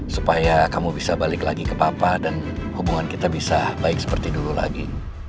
supaya kamu bisa balik lagi ke papa dan hubungan kita bisa baik seperti dulu lagi